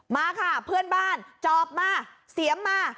มาค่ะเพื่อนบ้านจอบมาเสียมมา